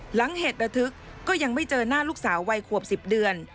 หลังเหตุระทึกก็ยังไม่เจอหน้าลูกสาววัยขวบ๑๐เดือน